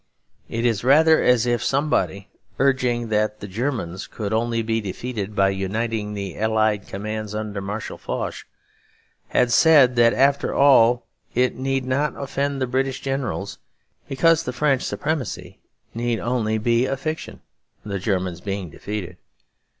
It is rather as if somebody, urging that the Germans could only be defeated by uniting the Allied commands under Marshal Foch, had said that after all it need not offend the British Generals because the French supremacy need only be a fiction, the Germans being defeated.